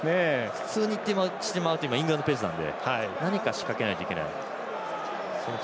普通にいってしまうとイングランドペースなので何か仕掛けないといけない。